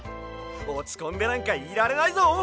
おちこんでなんかいられないぞ！